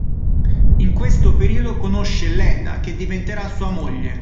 In questo periodo conosce Leda, che diventerà sua moglie.